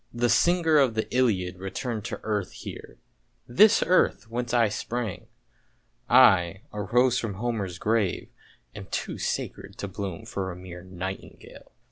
The singer of the Iliad re turned to earth here, this earth whence I sprang! — I, a rose from Homer's grave, am too sacred to bloom for a mere nightingale!